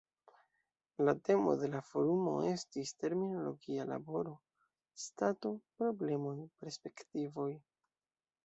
La temo de la forumo estis "Terminologia laboro: Stato, problemoj, perspektivoj".